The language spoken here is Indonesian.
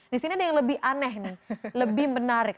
di sini ada yang lebih aneh nih lebih menarik